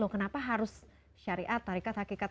kenapa harus syariat tarikat hakikat